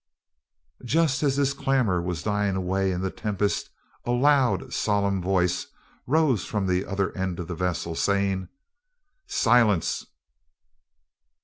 Just as this clamour was dying away in the tempest, a loud solemn voice rose from the other end of the vessel, saying, "Silence!"